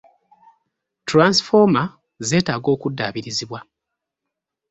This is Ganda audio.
Tulansifooma zetaaga okudaabirizibwa.